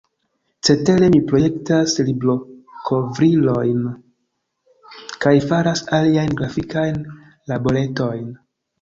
Cetere mi projektas librokovrilojn kaj faras aliajn grafikajn laboretojn.